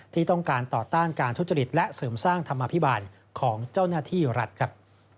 ที่ต้องการต่อต้านการทุจริตและเสริมสร้างธรรมภิบาลของเจ้าหน้าที่รัฐครับ